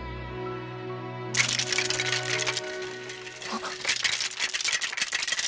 あっ。